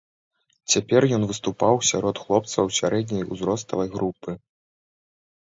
Цяпер ён выступаў сярод хлопцаў сярэдняй узроставай групы.